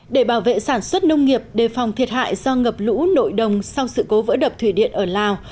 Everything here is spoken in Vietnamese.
để bảo vệ sản xuất nông nghiệp đề phòng thiệt hại do ngập lũ nội đồng sau sự cố vỡ đập thủy điện ở lào